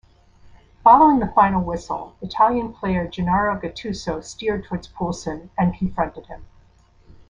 Following the final whistle, Italian player Gennaro Gattuso steered towards Poulsen and confronted him.